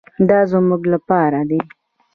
دا زموږ لپاره دي.